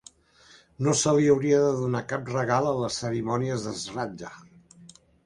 No se li hauria de donar cap regal a les cerimònies de Sraddha.